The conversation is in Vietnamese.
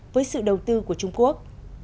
với sự đầu tư của trung quốc